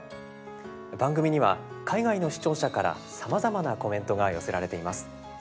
番組には海外の視聴者からさまざまなコメントが寄せられています。